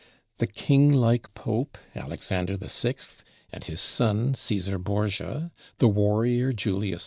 The king like pope Alexander VI. and his son Cæsar Borgia, the warrior Julius II.